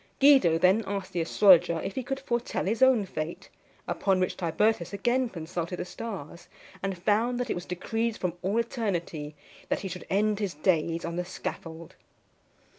Guido then asked the astrologer if he could foretell his own fate; upon which Tibertus again consulted the stars, and found that it was decreed from all eternity that he should end his days on the scaffold.